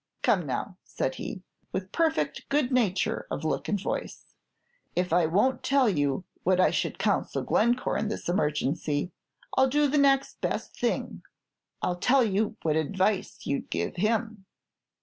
"Come, now," said he, with perfect good nature of look and voice, "If I won't tell you what I should counsel Glencore in this emergency, I 'll do the next best thing, I' ll tell you what advice you'd give him."